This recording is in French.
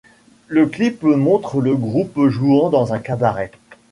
Le clip montre le groupe jouant dans un cabaret.